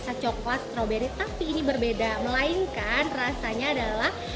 ini biasanya es krim mirasa coklat strawberry tapi ini berbeda melainkan rasanya adalah